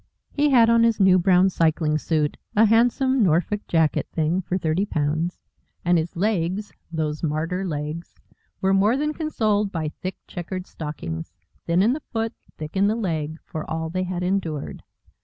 He had on his new brown cycling suit a handsome Norfolk jacket thing for 30/(sp.) and his legs those martyr legs were more than consoled by thick chequered stockings, "thin in the foot, thick in the leg," for all they had endured.